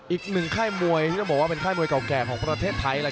อีกหนึ่งค่ายมวยที่ต้องบอกว่าเป็นค่ายมวยเก่าแก่ของประเทศไทย